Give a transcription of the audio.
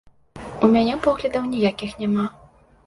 У мяне поглядаў ніякіх няма.